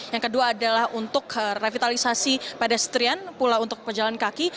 yang kedua adalah untuk revitalisasi pedestrian pula untuk pejalan kaki